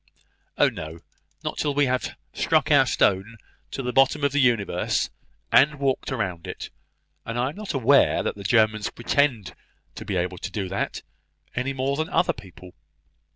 "Oh, no; not till we have struck our stone to the bottom of the universe, and walked round it: and I am not aware that the Germans pretend to be able to do that, any more than other people.